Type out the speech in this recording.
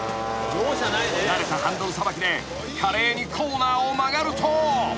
［慣れたハンドルさばきで華麗にコーナーを曲がると］